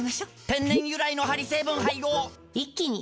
天然由来のハリ成分配合一気に！